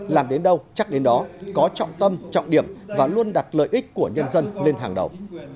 làm đến đâu chắc đến đó có trọng tâm trọng điểm và luôn đặt lợi ích của nhân dân lên hàng đầu